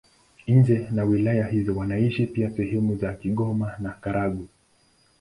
Nje na wilaya hizo wanaishi pia sehemu za Kigoma na Karagwe.